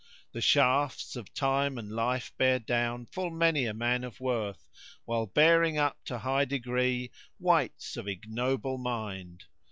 The shafts of Time and Life bear down full many a man of worth * While bearing up to high degree wights of ignoble mind.